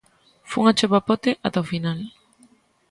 Fun ao chapapote ata o final.